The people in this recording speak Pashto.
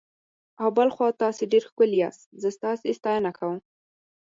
او بل خوا تاسي ډېر ښکلي یاست، زه ستاسي ستاینه کوم.